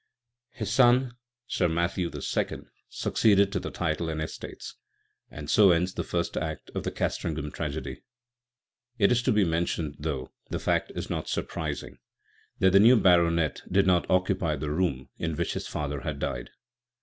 His son, Sir Matthew the second, succeeded to the title and estates. And so ends the first act of the Castringham tragedy. It is to be mentioned, though the fact is not surprising, that the new Baronet did not occupy the room in which his father had died.